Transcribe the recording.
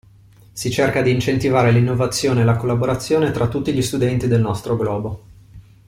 Si cerca di incentivare l'innovazione e la collaborazione tra tutti gli studenti del nostro globo.